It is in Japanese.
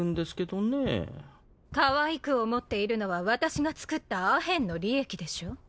かわいく思っているのは私が作ったアヘンの利益でしょ。